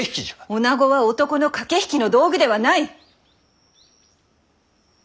おなごは男の駆け引きの道具ではない！